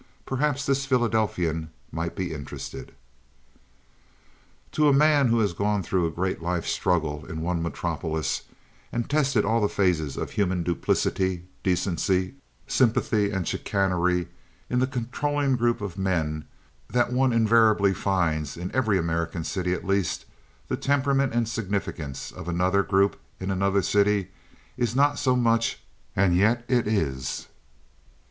Perhaps this Philadelphian might be interested. To a man who has gone through a great life struggle in one metropolis and tested all the phases of human duplicity, decency, sympathy, and chicanery in the controlling group of men that one invariably finds in every American city at least, the temperament and significance of another group in another city is not so much, and yet it is.